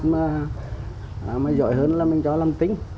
mà giỏi hơn là mình cho nó làm tính